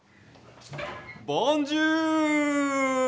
ボンジュール！